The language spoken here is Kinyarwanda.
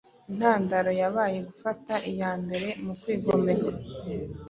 intandaro yabaye gufata iya mbere mukwigomeka